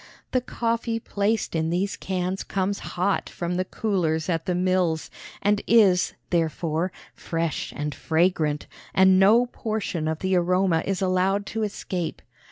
The coffee placed in these cans comes hot from the coolers at the mills, and is, therefore, fresh and fragrant, and no portion of the aroma is allowed to escape.